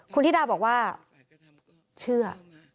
คุณธิดาบอกว่าเชื่อ